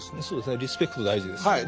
そうですねリスペクト大事です。